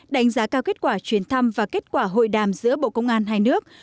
đánh giá cao kết quả chuyến thăm và kết quả hội đàm giữa bộ công an hai nước